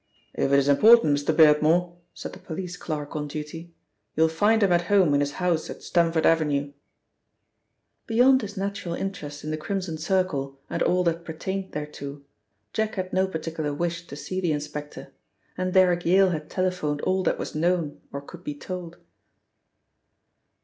"If it is important, Mr. Beardmore," said the police clerk on duty, "you will find him at home in his house at Stamford Avenue." Beyond his natural interest in the Crimson Circle and all that pertained thereto. Jack had no particular wish to see the inspector, and Derrick Yale had telephoned all that was known or could be told.